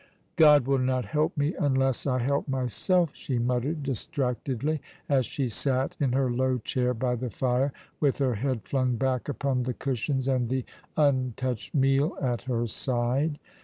" God will not help me unless I help myself," she muttered distractedly, as she sat in her low chair by the fire, with her head flung back upon the cushions and the untouched meal at her side.